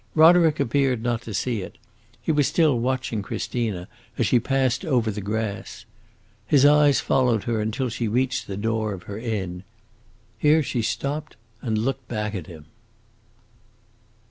Roderick appeared not to see it; he was still watching Christina, as she passed over the grass. His eyes followed her until she reached the door of her inn. Here she stopped and looked back at him.